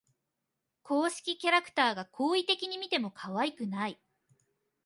公式キャラクターが好意的に見てもかわいくない